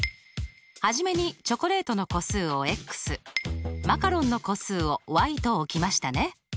初めにチョコレートの個数をマカロンの個数をと置きましたね。